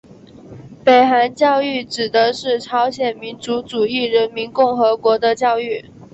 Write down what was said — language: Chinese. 北韩教育指的是朝鲜民主主义人民共和国的教育。